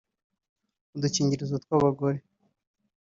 udukingirizo tw’abagore